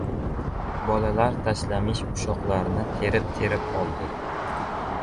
Bolalar tashlamish ushoqlarni terib-terib oldi.